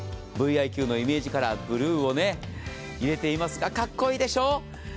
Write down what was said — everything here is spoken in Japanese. ＶｉＱのイメージカラーブルーをね入れていますがかっこいいでしょう？